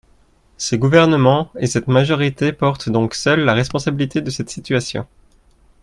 Ce gouvernement et cette majorité portent donc seuls la responsabilité de cette situation.